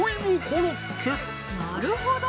なるほど！